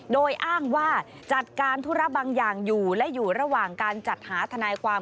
โดยอ้างว่าจัดการธุระบางอย่างอยู่และอยู่ระหว่างการจัดหาทนายความ